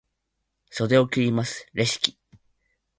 袖を切ります、レシキ。